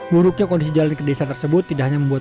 buruknya kondisi jalan ke desa tersebut tidak hanya membuat